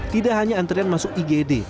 tidak hanya antrean masuk igd